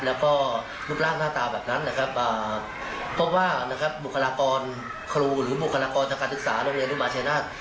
แล้วก็รูปร่างหน้าตาแบบนั้นนะครับเพราะว่านะครับบุคลากรครูหรือบุคลากรทางการศึกษานักเรียนที่มาชายนาฏ